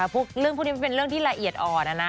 พวกนี้เป็นเรื่องที่ละเอียดอ่อนนะ